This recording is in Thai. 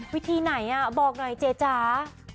วิธีไหนบอกหน่อยเจ๊จ๋า